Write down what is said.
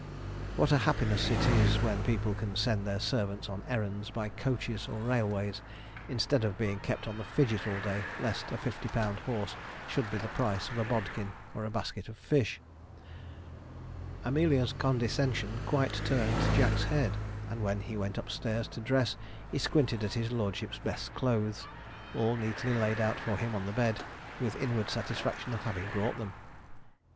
What a happiness it is when people can send their servants on errands by coaches or railways, instead of being kept on the fidget all day, lest a fifty pound horse should be the price of a bodkin or a basket of fish! Amelia's condescension quite turned Jack's head; and when he went upstairs to dress, he squinted at his lordship's best clothes, all neatly laid out for him on the bed, with inward satisfaction at having brought them.